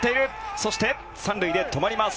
そして、３塁で止まります。